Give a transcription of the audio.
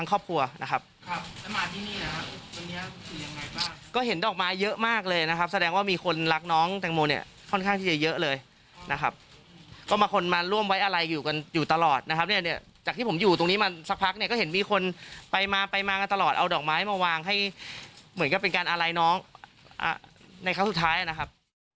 ก็เห็นอยู่ตลอดนะครับเนี่ยจากที่ผมอยู่ตรงนี้มาสักพักเนี่ยก็เห็นมีคนไปมาไปมากันตลอดเอาดอกไม้มาวางให้เหมือนกับเป็นการอะไรน้องในครั้งสุดท้ายนะครับ